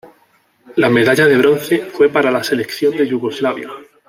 La medalla de bronce fue para la selección de Yugoslavia.